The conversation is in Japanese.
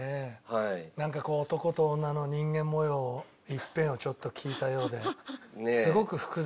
なんかこう男と女の人間模様を一片をちょっと聞いたようですごく複雑ですね。